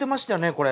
これ。